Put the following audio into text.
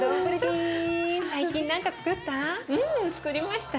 最近何かつくった？